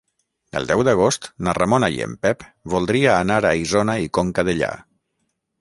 El deu d'agost na Ramona i en Pep voldria anar a Isona i Conca Dellà.